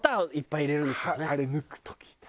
あれ抜く時痛い。